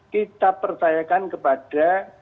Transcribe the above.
kita percayakan kepada